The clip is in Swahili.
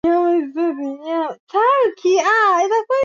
isimila kuna shuhuda kuhusu matumizi ya mawe